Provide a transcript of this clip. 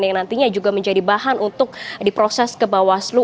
yang nantinya juga menjadi bahan untuk diproses ke bawaslu